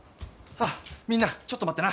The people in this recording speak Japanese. あっみんなちょっと待ってな。